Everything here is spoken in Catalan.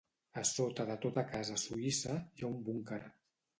A sota de tota casa suïssa, hi ha un búnquer.